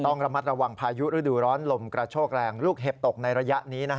ต้องระมัดระวังพายุฤดูร้อนลมกระโชกแรงลูกเห็บตกในระยะนี้